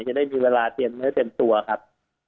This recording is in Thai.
จะได้มีเวลาเตรียมเนื้อเตรียมตัวครับ